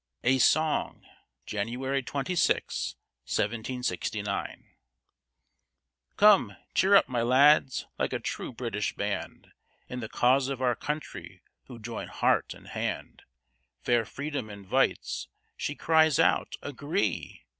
A SONG [January 26, 1769] Come, cheer up, my lads, like a true British band, In the cause of our country who join heart and hand; Fair Freedom invites she cries out, "Agree!